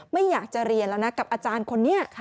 ไม่อยากจะเรียนแล้วนะกับอาจารย์คนนี้